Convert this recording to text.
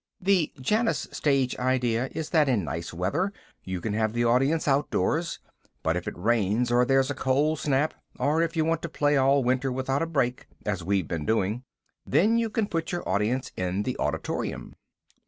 The Janus stage idea is that in nice weather you can have the audience outdoors, but if it rains or there's a cold snap, or if you want to play all winter without a single break, as we've been doing, then you can put your audience in the auditorium.